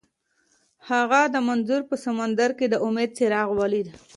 هغه د منظر په سمندر کې د امید څراغ ولید.